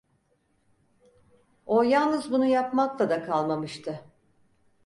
O yalnız bunu yapmakla da kalmamıştı.